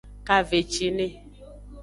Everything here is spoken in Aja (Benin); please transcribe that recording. Kavecine.